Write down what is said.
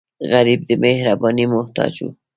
غریب د مهربانۍ محتاج وي